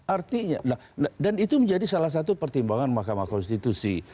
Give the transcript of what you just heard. artinya dan itu menjadi salah satu pertimbangan mahkamah konstitusi